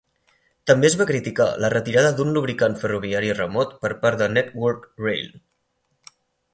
També es va criticar la retirada d'un lubricant ferroviari remot per part de Network Rail.